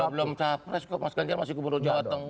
belum capres kok mas ganjar masih gubernur jawa tengah